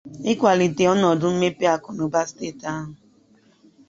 ịkwàlite ọnọdụ mmepe akụnụba steeti ahụ